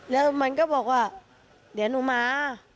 แล้วมันก็บอกว่าเดี๋ยวหนูมา